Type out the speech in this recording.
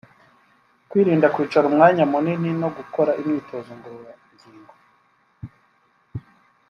kwirinda kwicara umwanya munini no gukora imyitozo ngororangingo